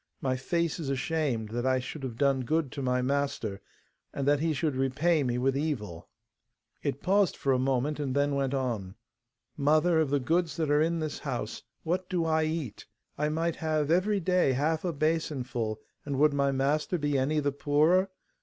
My face is ashamed, that I should have done good to my master, and that he should repay me with evil.' It paused for a moment, and then went on, 'Mother, of the goods that are in this house, what do I eat? I might have every day half a basinful, and would my master be any the poorer?